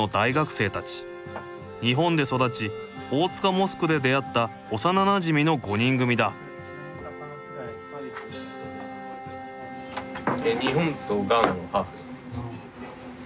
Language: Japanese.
日本で育ち大塚モスクで出会った幼なじみの５人組だ日本とガーナのハーフです。